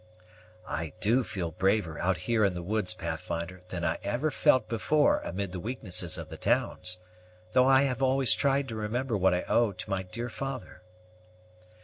"I do feel braver out here in the woods, Pathfinder, than I ever felt before amid the weaknesses of the towns, although I have always tried to remember what I owe to my dear father."